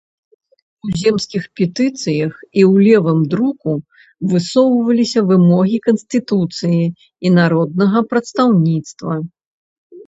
У земскіх петыцыях і ў левым друку высоўваліся вымогі канстытуцыі і народнага прадстаўніцтва.